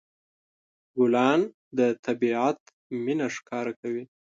ګلان د طبيعت مینه ښکاره کوي.